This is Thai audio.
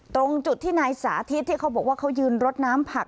ตรงจุดที่นายสาธิตที่เขาบอกว่าเขายืนรดน้ำผัก